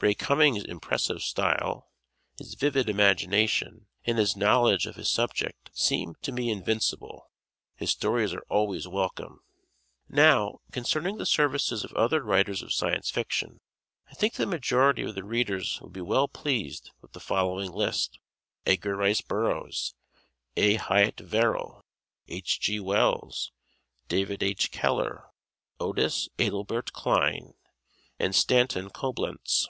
Ray Cummings' impressive style, his vivid imagination, and his knowledge of his subject seem to me invincible. His stories are always welcome. Now, concerning the services of other writers of Science Fiction, I think the majority of the readers would be well pleased with the following list: Edgar Rice Burroughs, A. Hyatt Verrill, H.G. Wells, David H. Keller, Otis Adelbert Kline and Stanton Coblentz.